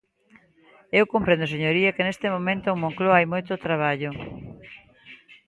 Eu comprendo, señoría, que neste momento en Moncloa hai moito traballo.